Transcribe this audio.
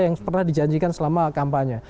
yang pernah dijanjikan selama kampanye